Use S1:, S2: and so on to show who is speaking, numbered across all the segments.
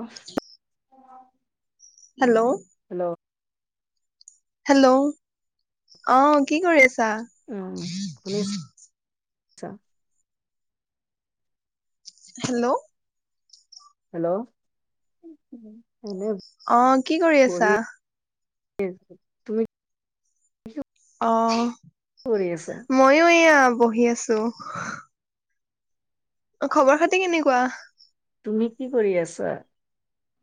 S1: অহ,
S2: hello,
S1: hello,
S2: hello, অহ কি কৰি আছা?
S1: আচ্ছা,
S2: হেল্ল,
S1: হেল্ল, [inaudible]
S2: অ, কি কৰি
S1: বহি
S2: আছা?
S1: [inaudible]
S2: অ,
S1: কি কৰি আছে?
S2: মইও এয়া, বহি আছো। অ, খবৰ খাতি কেনেকুৱা?
S1: তুমি কি কৰি আছা?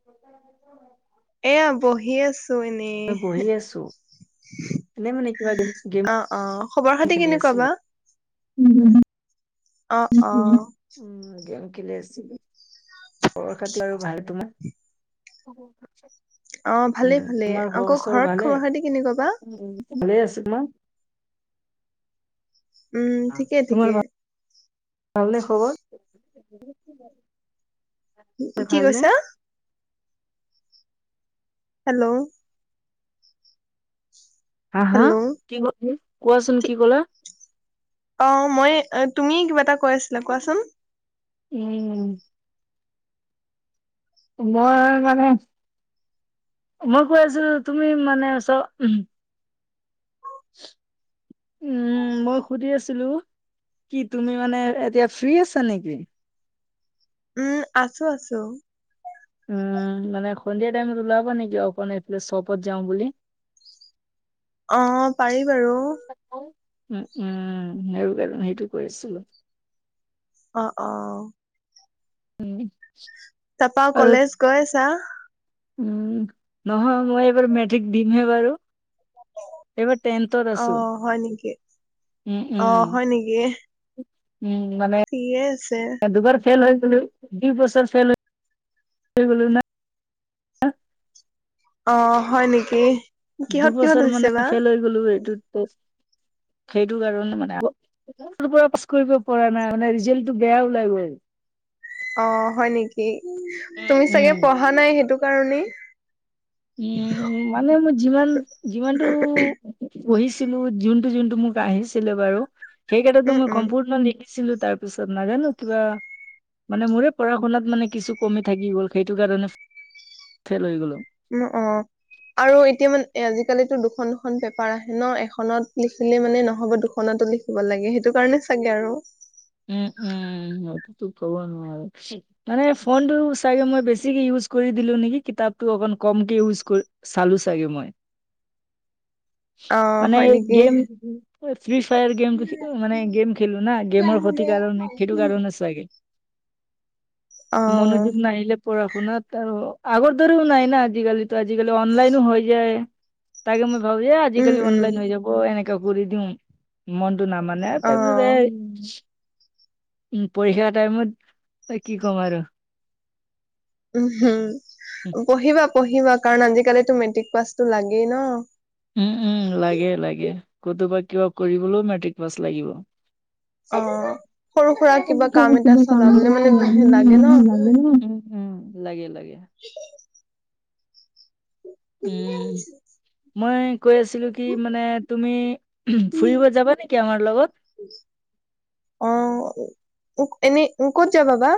S1: [inaudible]
S2: এয়া, বহি আছো এনেই
S1: মই বহি আছো এনে মানে কিবা গেম
S2: অ, অ, খবৰ-খাতি কেনেকুৱা বা?
S1: উম,
S2: অ, অ,
S1: উম, গেম খেলি আছো। খবৰ-খাতি আৰু ভাল, তোমাৰ?
S2: অ ভালে
S1: উম,
S2: ভালে
S1: তোমাৰ
S2: আকৌ
S1: ঘৰৰ‌ চবৰে
S2: ঘৰত
S1: ভালে,
S2: খবৰ খাতি কেনেকুৱা বা
S1: ভালে আছে না,
S2: উম, ঠিকে
S1: তোমাৰ
S2: ঠিকে।
S1: ভালনে, খবৰ?
S2: কি
S1: ভালনে
S2: কৈছা? হেল্ল,
S1: হা, হা,
S2: হেল্ল'
S1: কি, কোৱাচোন কি ক'লা?
S2: অ, মই, তুমি কিবা এটা কৈ আছিলা, কোৱাচোন?
S1: উম, মই মানে, মই কৈ আছিলো, তুমি মানে চ উম, মই সুধি আছিলো। কি তুমি মানে এতিয়া ফ্ৰ্ৰী আছা, নেকি?
S2: উম, আছো আছো।
S1: উম, মানে সন্ধিয়া টাইমত ওলাবা নেকি, অক এইফালে চবত যাওঁ বুলি।
S2: অ, পাৰি বাৰু।
S1: উম, উম, সেইটো কাৰণ, সেইটো কৈ, আছিলো।
S2: অ, অ,
S1: উম,
S2: তাপা, আৰু কলেজ গৈ আছা?
S1: উম, নহয় মই এইবাৰ মেট্ৰিক দিমহে, বাৰু। এইবাৰ, টেণ্টত
S2: অ
S1: আছো।
S2: হয় নেকি
S1: উম
S2: অ,
S1: উম
S2: হয় নেকি?
S1: উম, মানে
S2: ঠিকে আছে।
S1: দুবাৰ ফেইল হৈ গলোঁ, দুই বছৰ ফেইেল হৈ গলোঁ ন,
S2: অ, হয় নেকি, কিহত-কিহত হৈছে বা?
S1: হ'লেওঁ এইটোত, সেইটো কাৰণে মানে পৰা পাছ কৰিব পৰা নাই, মানে ৰিজাল্টটো বেয়া ওলাই গ'ল।
S2: অ, হয় নেকি! তুমি চাগে
S1: উম,
S2: পঢ়া নাই, সেইটো কাৰণেই।
S1: উম, মানে মোৰ যিমান-যিমানটো পঢ়িছিলো, যোনটো-যোনটো মোক আহিছিলে বাৰু, সেইকেইটাতো
S2: উম
S1: মই
S2: উম
S1: সম্পূৰ্ণ লিখি ছিলো, তাৰ পিছত নাজানো কিবা, মানে মোৰে পঢ়া-শুনাত মানে কিছু কমি থাকি গ'ল, সেইটো কাৰণে ফেল হৈ গ'লো।
S2: উম, অ। আৰু এতিয়া মানে আজিকালিতো দুখন- দুখন পেপাৰ আহে ন, এখনত লিখিলে মানে নহ'ব, দুখনতো লিখ খিব লাগে, সেইটো কাৰণে চাগে আৰু।
S1: উম, উম, [unintelligible] মানে ফোনটো চাগে মই বেছিকে ইউজ কৰি দিলো নেকি, কিতাপটো অকন কমকে ইউজ কৰি চালো চাগে মই।
S2: [inaudible] অ
S1: মানে
S2: হয়
S1: এই
S2: নেকি
S1: গেম ফ্ৰী-ফায়াৰ গেমটো, মানে গেম খেলো না, গেমৰ ক্ষতি কাৰণে সেইটো কাৰণে চাগে।
S2: অ
S1: মনোযোগ নাহিলে পঢ়া-শুনাত আৰু আগৰ দৰেও নাই না, আজিকালি, আজিকালি অনলাইনো হৈ যায়। তাকে মই ভাবো যে
S2: উম
S1: আজিকালি
S2: উম
S1: অনলাইন হৈ যাব, এনেকা কৰি দিও, মনটো নামানে।
S2: অ
S1: তাৰপিছত এ, উম, পৰীক্ষা টাইমত কি ক'ম আৰু।
S2: উম, হম, পঢ়িবা-পঢ়িবা কাৰণ আজিকালিটো মেট্ৰিক পাছতো লাগেই ন।
S1: উম, উম, লাগে-লাগে, কতোবা কিবা কৰিবলৈও মেট্ৰিক পাছ লাগিব।
S2: অ
S1: [unintelligible]
S2: সৰু সুৰা
S1: উম,
S2: কিবা কাম এটা চলাবলে মানে লাগে ন
S1: লাগে-লাগে। উম, মই কৈ আছিলো কি, মানে তুমি ফুৰিব যাবা নেকি আমাৰ লগত?
S2: অ, উ, এনে ক'ত যাবাবা?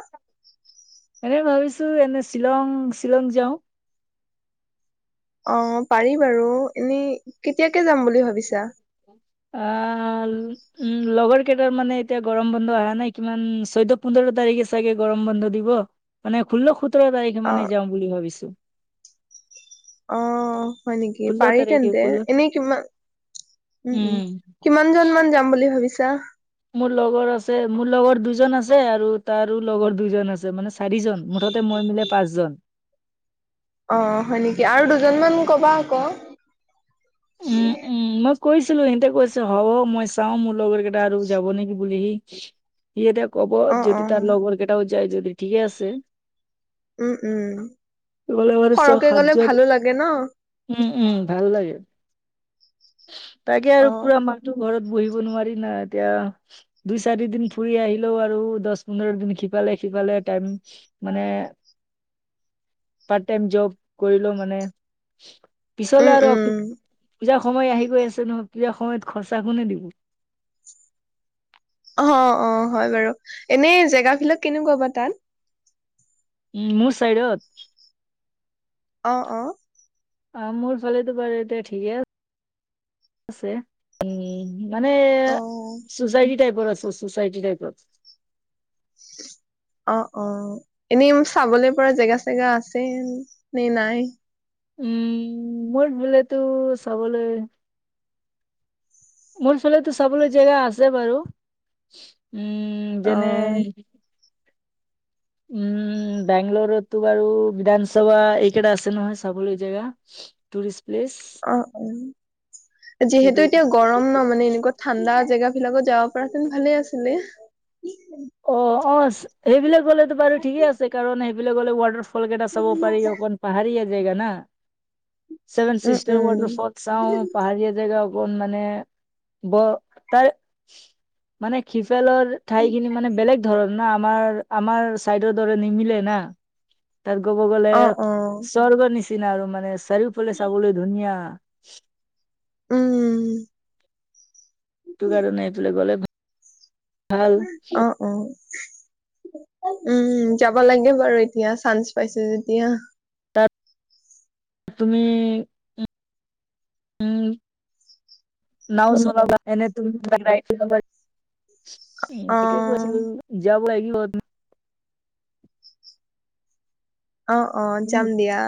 S1: এনে ভাবিছো, এনে শিলং-শিলং যাওঁ।
S2: অ, পাৰি বাৰু, এনে কেতিয়াকে যাম বুলি ভাবি
S1: আহ। উম লগৰ কেইটাৰ মানে এতিয়া গৰম বন্ধ অহা নাই, কিমান চৈধ্য-পোন্ধৰ তাৰিখে চাগে গৰম বন্ধ দিব। মানে ষোল্ল- সোতৰ তাৰিখে
S2: অ
S1: মানে যাওঁ বুলি ভাবিছো।
S2: অ, হয় নেকি,
S1: ষোল্ল
S2: পাৰি
S1: তাৰিখে
S2: তেন্তে,
S1: ষোল্ল
S2: এনেই কিমান উম, উম, কিমান জন মান যাম বুলি ভাবিছা?
S1: মোৰ লগৰ আছে, মোৰ লগৰ দুজন আছে আৰু তাৰো লগৰ দুজন আছে, মানে চাৰিজন, মুঠতে মই মিলাই পাঁচজন।
S2: অ, হয় নেকি, আৰু দুজনমান ক'বা আকৌ।
S1: উম, উম, মই কৈছিলো, সিহতে কৈছো হ'ব মই চাও, মোৰ লগৰ কেইটা এআৰু যাব নেকি বুলি হি, সি এতিয়া ক'ব,
S2: অ অ
S1: যদি তাৰ লগৰ কেইটাও যায় যদি ঠিকে আছে।
S2: উম, উম,
S1: গ'লে বাৰু ছয়
S2: সৰকে গ'লে
S1: সাতজন
S2: ভালো লাগে ন!
S1: উম, উম, ভাল লাগে। তাকে আৰু
S2: অ
S1: পুৰা মাহটো ঘৰত বহিব নোৱাৰি না, এতিয়া দুই-চাৰি দিন ফুৰি আহিলেও আৰু দহ- পোন্ধৰ দিন সিফালে-সিফালে টাইম মানে পাৰ্ট টাইম জব কৰিলেও মানে
S2: উম
S1: পিছলে আৰু
S2: উম
S1: পূজা সময় আহি গৈ আছে নহয় পূজা সময়ত খৰচা কোনে দিব
S2: অ অ হয় বাৰু এনে জেগা বিলাক কেনেকুৱা বাৰু তাত
S1: উম মোৰ চাইডত।
S2: অ', অ'।
S1: অ', মোৰ ফালেতো বাৰু এতিয়া ঠিকে আ-ছে। উম। মানে
S2: অ
S1: চো'চাইটি টাইপৰ আছে চো'চাইটি টাইপৰ।
S2: [inaudible] অ, অ, এনেই চাবলে পৰা জেগা চেগা আছে নে নাই?
S1: উম মোৰ বোলেতো চাবলৈ মোৰ ফালেটো চাবলৈ জেগা আছে বাৰু উম,
S2: অ
S1: যেনে উম বেংলৰতো বাৰু বিধানসভা এইকেইটা আছে নহয় চাবলৈ জেগা। Tourist place.
S2: অ', অ' যিহেতু এতিয়া গৰম ন' মানে এনেকুৱা ঠাণ্ডা জেগা বিলাকত যাব পৰা হেঁতেন ভালে আছিলে।
S1: অ, অ, সেইবিলাক গ'লেতো বাৰু ঠিকে আছে। কাৰণ সেইবিলাক গ'লে ৱাটাৰ ফলকেইটা চাব পাৰি। অকণ পাহাৰীয়া জেগা না।
S2: উম
S1: চেভেনচিষ্টাৰ
S2: উম
S1: ৱাটাৰফ'ল চাওঁ পাহাৰীয়া জেগা অকণ মানে ব তাৰ মানে সিফালৰ ঠাই খিনি মানে বেলেগ ধৰণ ন। আমাৰ, আমাৰ চাইডৰ দৰে নিমিলে না। তাত ক'ব গ'লে,
S2: অ অ
S1: স্বৰ্গৰ নিচিনা আৰু মানে চাৰিওফালে চাবলৈ ধুনীয়া।
S2: উম
S1: এইটো কাৰণে এইফালে গ'লে ভা
S2: অ'। অ' উম, উম, যাব লাগে বাৰু এতিয়া চান্স পাইছে যেতিয়া।
S1: তাত, তুমি [unintelligible] নাওঁ চলাবা এনে তুমি [unintelligible] এই
S2: অ
S1: তাকে কৈছিলোঁ যাব লাগিব
S2: অ', অ'। যাম দিয়া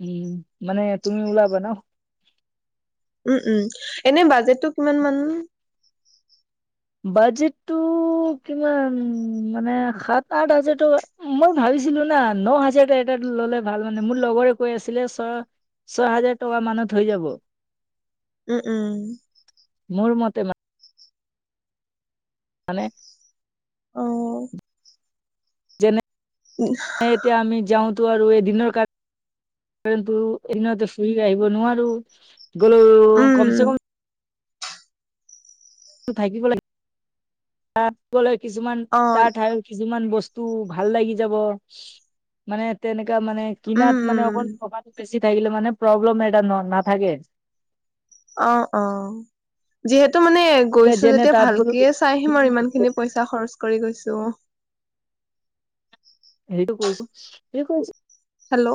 S1: উম মানে তুমি ওলাবা ন।
S2: উম, উম। এনে বাজেটো কিমান মান?
S1: বাজেটটো কিমান মানে সাত-আঠ হাজাৰ টকা, মই ভাবিছিলো না ন হাজাৰ তাত ল'লে ভাল মানে, মোৰ লগৰে কৈ আছিলে চা ছয় হাজাৰ টকা মানত হৈ যাব।
S2: উম-উম।
S1: মোৰ মতে মা মানে -
S2: অ,
S1: যেনে
S2: [unintelligible]
S1: এতিয়া আমি যাওঁতো আৰু এদিনৰ কাৰ কিন্তু এদিনতে ফুৰি আহিব নোৱাৰো, গ'লোও
S2: উম
S1: কমচে কম থাকিব [unintelligible] তাত গ'লে কিছুমান
S2: অ
S1: তাৰ ঠাই কিছুমান বস্তু ভাল লাগি যাব। মানে তেনেকে মানে
S2: উম
S1: কিনাত মানে
S2: উম
S1: অকণ টকাটো বেছি থাকিলে মানে প্ৰব্লেম এটা ন' নাথাকে।
S2: অ' অ 'যিহেতু মানে গৈছো
S1: যেনে
S2: যেতিয়া
S1: তাত বোলো
S2: ভালকে চাই আহিম আৰু ইমান খিনি। পইচা খৰচ কৰি গৈছো।
S1: হেৰিতো কৰিছো, সেই কৈছো।
S2: হেল্ল'?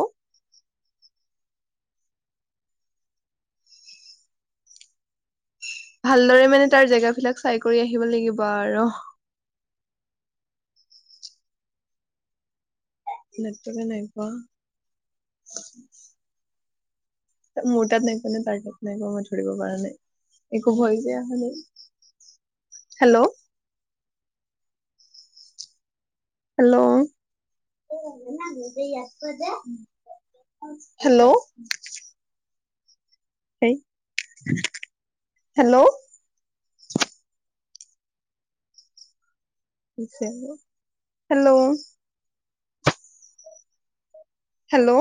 S2: ভালদৰে মানে তাৰ জেগাবিলাক চাই কৰি আহিব লাগিব আৰু। নেটৱৰ্কে নাই পোৱা। মোৰ তাত নাইপোৱা নে, তাৰ তাত নাইপোৱা মই ধৰিব পৰা নাই। একো ভয়চ এ আহা নাই। হেল্ল'? হেল্ল'? হেল্ল'? সেই, hello? Hello? Hello?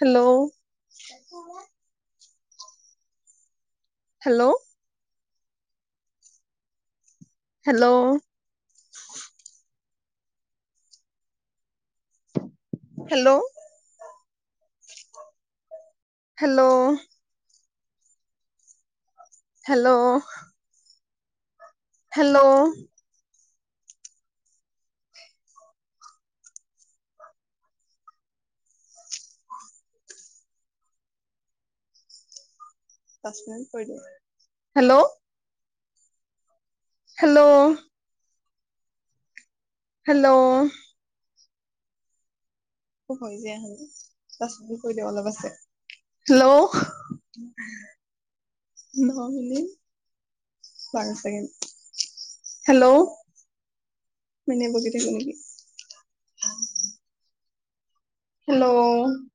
S2: Hello? Hello? Hello? Hello? Hello? Hello? Hello? Hello? Hello? Hello? হৈ যায় পাঁচ মিনিট কৈ দে, অলপ আছে, হেল্ল'? ন মিনিট। বাৰ ছেকেণ্ড, হেল্ল'? মানে বুজি থাকে নেকি। হেল্ল'?